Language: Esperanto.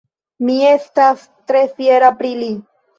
Mi estas tre fiera pri li.